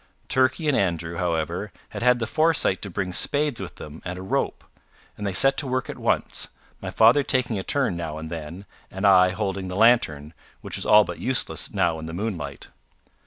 Turkey and Andrew, however, had had the foresight to bring spades with them and a rope, and they set to work at once, my father taking a turn now and then, and I holding the lantern, which was all but useless now in the moonlight.